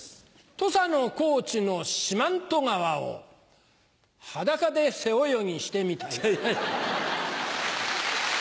土佐の高知の四万十川を裸で背泳ぎしてみたい。